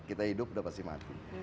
kita hidup sudah pasti mati